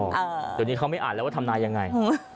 เดี๋ยวนี้เขาไม่อ่านแล้วว่าทำนายยังไง